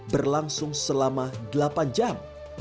berlangsung selama delapan jam